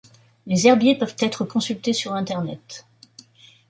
Les herbiers peuvent être consultés sur Internet.